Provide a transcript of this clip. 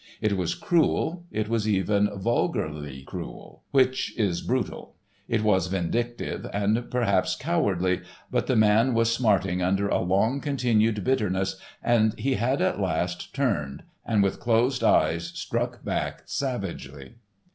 It was cruel; it was even vulgarly cruel, which is brutal, it was vindictive and perhaps cowardly, but the man was smarting under a long continued bitterness and he had at last turned and with closed eyes struck back savagely.